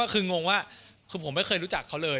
ก็คืองงว่าคือผมไม่เคยรู้จักเขาเลย